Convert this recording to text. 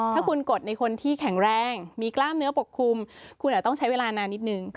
ถ้าคุณกดในคนที่แข็งแรงมีกล้ามเนื้อปกคลุมคุณอาจต้องใช้เวลานานนิดนึง